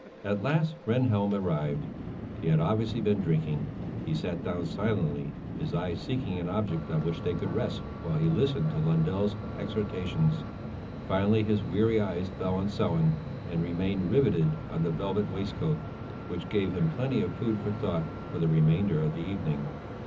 At last Rehnhjelm arrived. He had obviously been drinking; he sat down silently, his eyes seeking an object on which they could rest while he listened to Lundell's exhortations. Finally his weary eyes fell on Sellén and remained riveted on the velvet waistcoat, which gave him plenty of food for thought for the remainder of the evening.